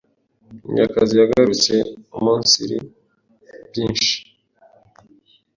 Munyakazi yagarutse umunsiri byinshi